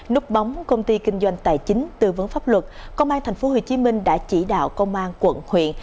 núp bóng công ty kinh doanh tài chính tư vấn pháp luật công an tp hcm đã chỉ đạo công an quận huyện